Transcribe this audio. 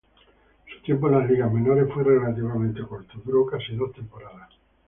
Su tiempo en las ligas menores fue relativamente corto, duró casi dos temporadas.